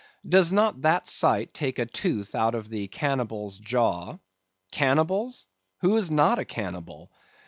Does not that sight take a tooth out of the cannibal's jaw? Cannibals? who is not a cannibal?